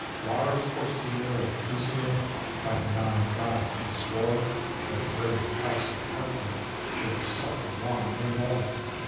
] Lars Porsena of Clusium By the Nine Gods he swore That the great house of Tarquin Should suffer wrong no more.